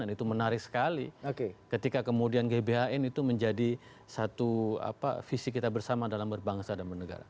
dan itu menarik sekali ketika kemudian gbhn itu menjadi satu visi kita bersama dalam berbangsa dan bernegara